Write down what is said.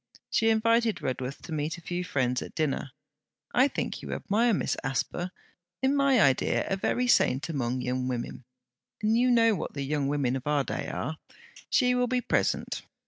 She invited Redworth to meet a few friends at dinner. 'I think you admire Miss Asper: in my idea a very saint among young women; and you know what the young women of our day are. She will be present.